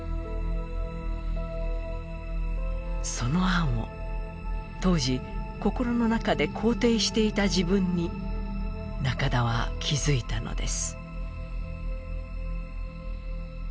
その案を、当時心の中で肯定していた自分に中田は気付いたのです。